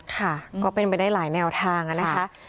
ค่ะก็เป็นไปได้หลายแนวทางนะคะ